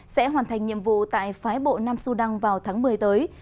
sẽ hoàn thành nhiệm vụ tại phái bộ nam sudan vào tháng một mươi tới